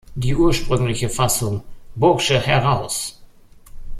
Die ursprüngliche Fassung "Bursche heraus!